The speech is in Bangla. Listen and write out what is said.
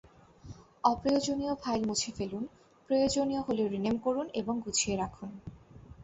অপ্রয়োজনীয় ফাইল মুছে ফেলুন, প্রয়োজনীয় হয়ে রিনেম করুন এবং গুছিয়ে রাখুন।